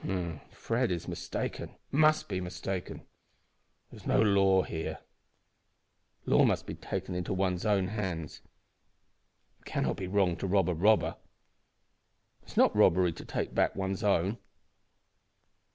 "Fred is mistaken must be mistaken. There is no law here. Law must be taken into one's own hands. It cannot be wrong to rob a robber. It is not robbery to take back one's own.